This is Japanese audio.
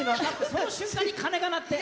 その瞬間に鐘が鳴って。